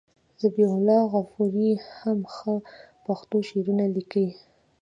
ذبیح الله غفوري هم ښه پښتو شعرونه لیکي.